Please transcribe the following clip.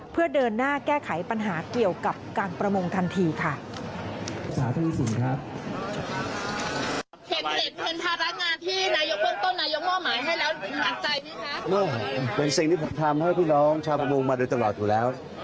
เพื่อเดินหน้าแก้ไขปัญหาเกี่ยวกับการประมงทันทีค่ะ